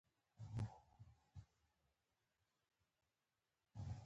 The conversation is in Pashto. قلم له خبرو ښه تاثیر لري